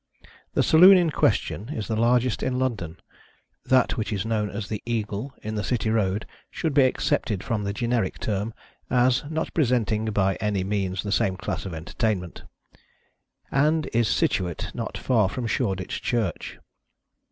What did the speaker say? The Saloon in question is the largest in London (that which is known as The Eagle, in the City Eoad, should be excepted from the generic term, as not presenting by any means the same class of entertainment), and is situate not far from Shoreditoh Church.